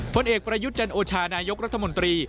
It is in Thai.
ผลเอกประยุทธ์จันโอชานายกรัฐมนตรี